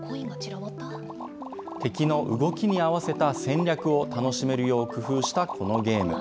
敵の動きに合わせた戦略を楽しめるよう工夫したこのゲーム。